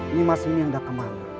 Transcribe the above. nimas ini ada kemampuan